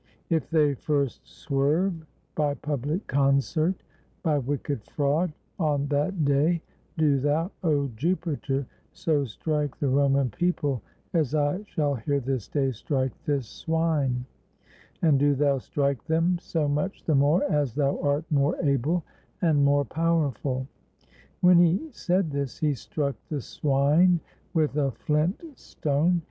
If they first swerve by public concert, by wicked fraud, on that day do thou, O Jupiter, so strike the Roman peo ple as I shall here this day strike this swine; and do thou strike them so much the more as thou art more able and more powerful." When he said this, he struck the swine with a flint stone.